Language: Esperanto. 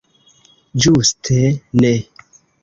Ĝuste ne!